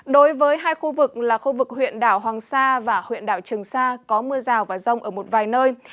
đối với hai khu vực là khu vực huyện đảo hoàng sa và huyện đảo trường sa có mưa rào và rông ở một vài nơi